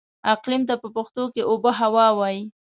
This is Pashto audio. اقليم ته په پښتو کې اوبههوا وايي.